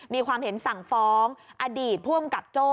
มีความเห็นสั่งฟ้องอดีตผู้อำกับโจ้